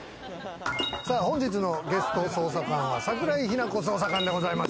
本日のゲスト捜査官は桜井日奈子捜査官でございます。